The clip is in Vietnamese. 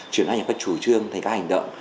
chuyển hóa thành các chủ trương thành các hành động